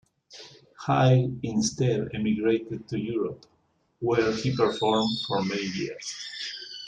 Height instead emigrated to Europe, where he performed for many years.